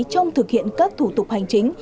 trong thực hiện các thủ tục hành chính